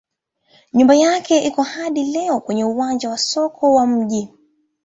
Nyumba yake iko hadi leo kwenye uwanja wa soko wa mji.